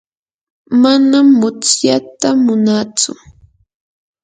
manam mutsyata munaatsu.